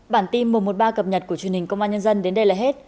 bản tin mùa một ba cập nhật của truyền hình công an nhân dân đến đây là hết